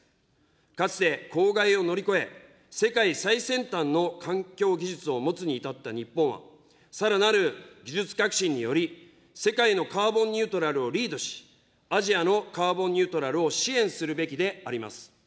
かつて公害を乗り越え、世界最先端の環境技術を持つに至った日本は、さらなる技術革新により、世界のカーボンニュートラルをリードし、アジアのカーボンニュートラルを支援するべきであります。